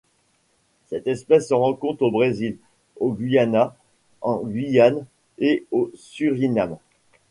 Cette espèce se rencontre au Brésil, au Guyana, en Guyane et au Suriname.